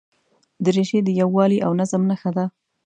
دریشي د یووالي او نظم نښه ده.